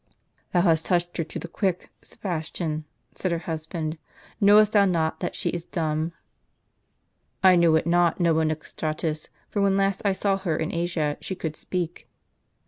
" Thou hast touched her to the quick, Sebastian," said her husband ;" knowest thou not that she is dumb ?"" I knew it not, noble Nicostratus ; for when last I saw her in Asia she could speak."